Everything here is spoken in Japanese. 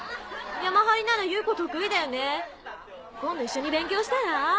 ヤマ張りなら夕子得意だよね今度一緒に勉強したら？